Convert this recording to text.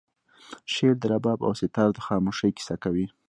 شعر د رباب او سیتار د خاموشۍ کیسه کوي